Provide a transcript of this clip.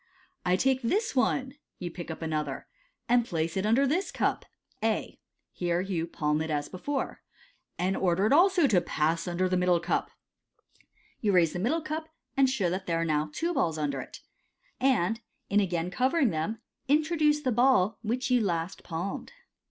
" I take this one" (you pick up another), " and place it under this cup ,r (A) — here you palm it as before — "and order it also to pass undei the middle cup." You raise the middle cup, and show that there are now two balls under it, and, in again covering them, introduce the ball which you last palmed.